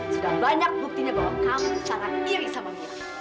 sudah banyak buktinya bahwa kamu sangat iri sama mia